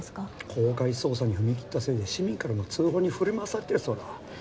公開捜査に踏み切ったせいで市民からの通報に振り回されてるそうだ。